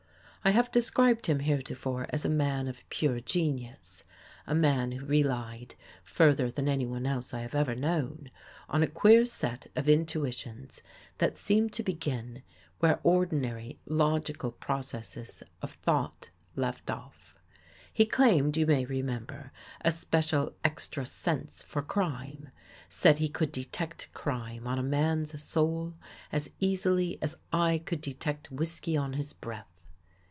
I have described him heretofore as a man of pure genius — a man who relied, further than anyone else I have ever known, on a queer set of intuitions that seemed to begin where ordinary logical processes of thought left off. He claimed, you may remember, a special extra sense for crime; said he could detect crime on a man's soul as easily as I could detect whisky on his breath.